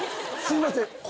すみません。